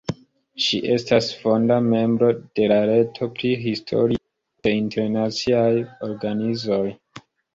Ŝi estas fonda membro de la "Reto pri Historio de internaciaj organizoj".